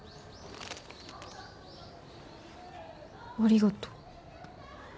ありがとう。